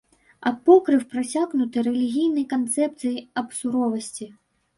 Апокрыф прасякнуты рэлігійнай канцэпцыяй аб суровасці.